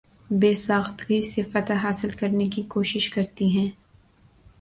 بے ساختگی سے فتح حاصل کرنے کی کوشش کرتی ہیں